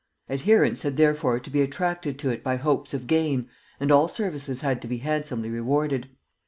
Adherents had therefore to be attracted to it by hopes of gain, and all services had to be handsomely rewarded.